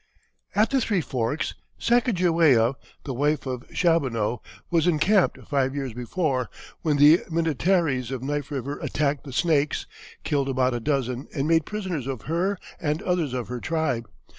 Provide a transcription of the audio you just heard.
At the three forks Sacajawea, the wife of Chaboneau, was encamped five years before, when the Minnetarees of Knife River attacked the Snakes, killed about a dozen and made prisoners of her and others of her tribe.